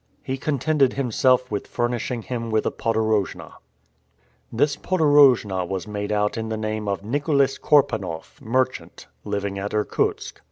He contented himself with furnishing him with a "podorojna." This podorojna was made out in the name of Nicholas Korpanoff, merchant, living at Irkutsk.